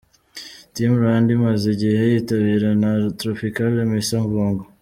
Team Rwanda imaze igihe yitabira La Tropicale Amissa Bongo.